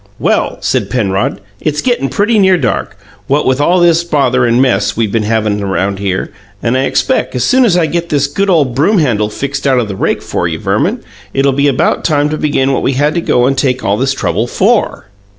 "Well," said Penrod, "it's gettin' pretty near dark, what with all this bother and mess we been havin' around here, and I expeck as soon as I get this good ole broom handle fixed out of the rake for you, Verman, it'll be about time to begin what we had to go and take all this trouble FOR."